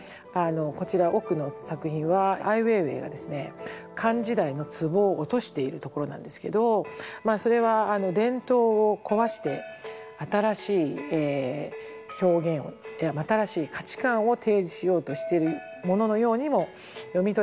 こちら奥の作品はアイ・ウェイウェイがですね漢時代の壺を落としているところなんですけどまあそれは伝統を壊して新しい表現を新しい価値観を提示しようとしているもののようにも読み取れますし。